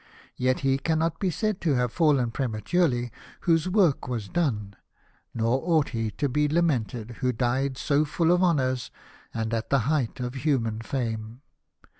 Yet he cannot be said to have fallen prematurely whose work was done ; nor ought he to be lamented who died so full of honours and at the 320 LIFE OF NELSOJV. height of human fame.